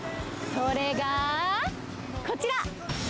それが、こちら！